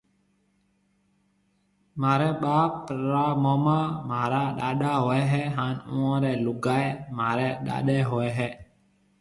مهاريَ ٻاپ را موما مهارا ڏاڏا هوئي هيَ هانَ اُئان رين لُگائيَ مهاريَ ڏاڏين هوئيَ هيَ۔